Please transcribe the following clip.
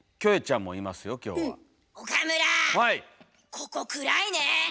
ここ暗いねえ。